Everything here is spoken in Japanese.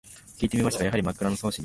きいてみましたが、やはり「枕草子」には